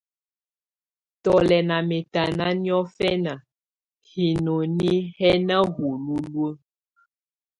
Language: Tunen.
Tù lɛ̀ nà mɛ̀tana niɔfɛna hinoni hɛ̀ na hululuǝ́.